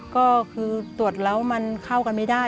ก็คือตรวจแล้วมันเข้ากันไม่ได้